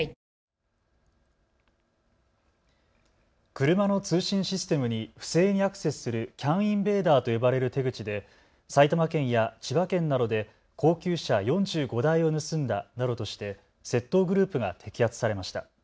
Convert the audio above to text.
車の通信システムに不正にアクセスするＣＡＮインベーダーと呼ばれる手口で埼玉県や千葉県などで高級車４５台を盗んだなどとして窃盗グループが摘発されました。